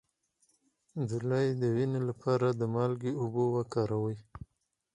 د لۍ د وینې لپاره د مالګې اوبه وکاروئ